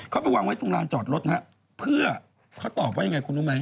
เขาไปวางไว้ตรงลานจอดรถนะฮะเพื่อเขาตอบว่ายังไงคุณรู้ไหม